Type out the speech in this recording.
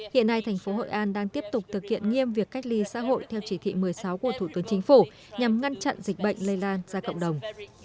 hiện nay thành phố hội an đang tiếp tục thực hiện nghiêm việc cách ly xã hội theo chỉ thị một mươi sáu của thủ tướng chính phủ nhằm ngăn chặn dịch bệnh lây lan ra cộng đồng